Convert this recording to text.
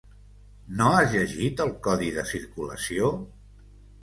No has llegit el codi de circulació?